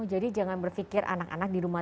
jadi jangan berfikir anak anak di rumah